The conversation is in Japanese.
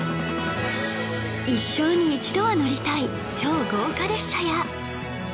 一生に一度は乗りたい超豪華列車や